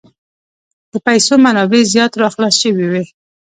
د پیسو منابع زیات را خلاص شوي وې.